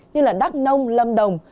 như là đắk nông lâm đồng